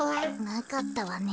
なかったわね。